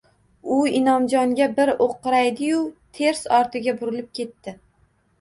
U Inomjonga bir o`qraydi-yu, ters ortiga burilib ketdi